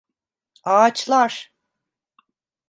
Ağaçlar.